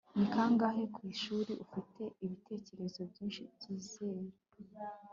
ni kangahe, ku ishuri, ufite ibitekerezo byinshi byizera